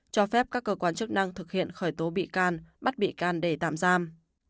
cho phép các cơ quan chức năng thực hiện khởi tố bị can bắt bị can để tạm giam